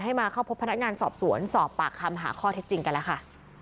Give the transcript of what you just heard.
มาเข้าพบพนักงานสอบสวนสอบปากคำหาข้อเท็จจริงกันแล้วค่ะ